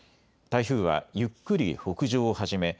台風はゆっくり北上を始め